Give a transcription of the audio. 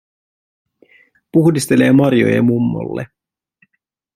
Puhdistelee marjoja mummolle.